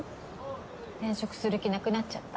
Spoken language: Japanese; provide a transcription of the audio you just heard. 転職する気なくなっちゃった？